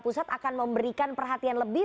pusat akan memberikan perhatian lebih